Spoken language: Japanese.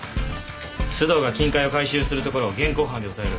須藤が金塊を回収するところを現行犯で押さえる。